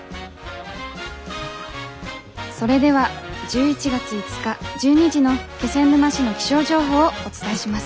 それでは１１月５日１２時の気仙沼市の気象情報をお伝えします。